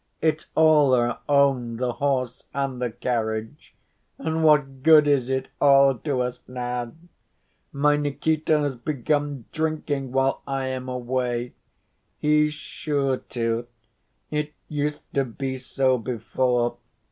It's all our own, the horse and the carriage. And what good is it all to us now? My Nikita has begun drinking while I am away. He's sure to. It used to be so before.